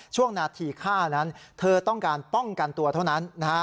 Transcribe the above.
ช่วงนาทีฆ่านั้นเธอต้องการป้องกันตัวเท่านั้นนะฮะ